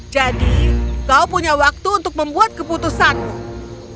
jadi kau punya waktu untuk membuat keputusanmu